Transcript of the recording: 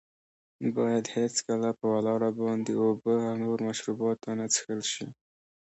باید هېڅکله په ولاړه باندې اوبه او نور مشروبات ونه څښل شي.